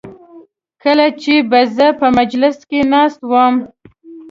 کله چې به زه په مجلس کې ناست وم.